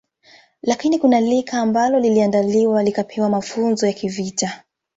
Lakini kuna lika ambalo liliandaliwa likapewa mafunzo ya kivita